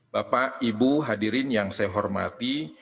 bapak ibu hadirin yang saya hormati